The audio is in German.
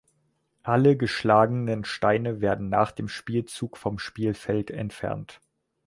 Alle geschlagenen Steine werden nach dem Spielzug vom Spielfeld entfernt.